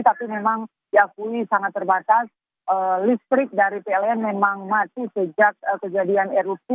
tapi memang diakui sangat terbatas listrik dari pln memang mati sejak kejadian erupsi